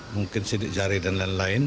mungkin sidik jari dan lain lain